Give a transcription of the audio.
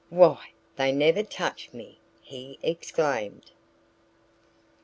"Why, they never touched me!" he exclaimed.